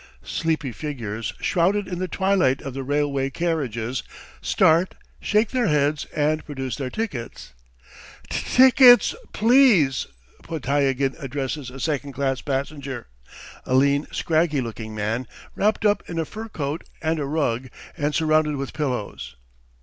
Sleepy figures, shrouded in the twilight of the railway carriages, start, shake their heads, and produce their tickets. "T t t tickets, please!" Podtyagin addresses a second class passenger, a lean, scraggy looking man, wrapped up in a fur coat and a rug and surrounded with pillows.